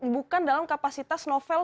bukan dalam kapasitas novel